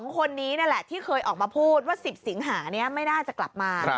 ๒คนนี้นั่นแหละที่เคยออกมาพูดว่า๑๐สิงหานี้ไม่น่าจะกลับมา